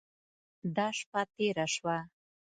دا شپه تېره شوه.